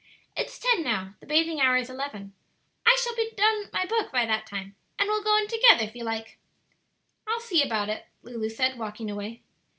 It's ten now; the bathing hour is eleven; I shall be done my book by that time, and we'll go in together if you like." "I'll see about it," Lulu said, walking away.